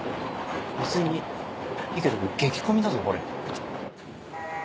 別にいいけど激混みだぞこれ。